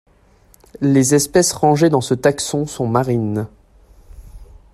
Les espèces rangées dans ce taxon sont marines.